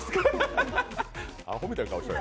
アホみたいな顔してる。